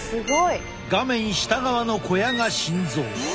画面下側の小屋が心臓。